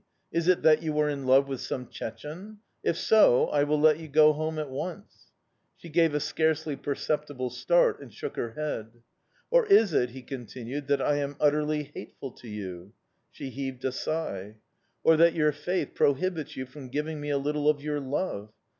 Is it that you are in love with some Chechene? If so, I will let you go home at once.' "She gave a scarcely perceptible start and shook her head. "'Or is it,' he continued, 'that I am utterly hateful to you?' "She heaved a sigh. "'Or that your faith prohibits you from giving me a little of your love?